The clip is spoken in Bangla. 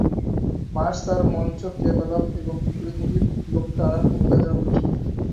মার্স তার মঞ্চ ক্রিয়াকলাপ এবং বিপরীতমুখী লোক-টানার ক্ষমতার জন্য পরিচিত।